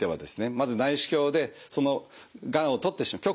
まず内視鏡でその局所のがんを取ってしまうと。